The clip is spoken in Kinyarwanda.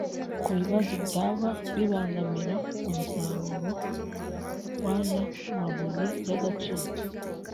Ku bibazo byaba bibangamira umusaruro w’ aya mabuye y’ agaciro